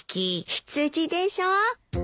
羊でしょ。